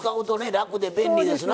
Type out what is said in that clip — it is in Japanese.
楽で便利ですな。